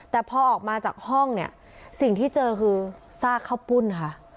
แต่พอออกมาจากห้องเนี่ยสิ่งที่เจอคือซากข้าวปุ้นค่ะ